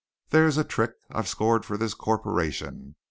There's a trick I've scored for this corporation.